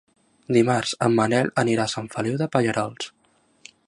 Dimarts en Manel anirà a Sant Feliu de Pallerols.